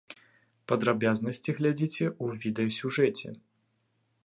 Падрабязнасці глядзіце ў відэасюжэце.